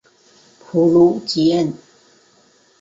普卢吉恩。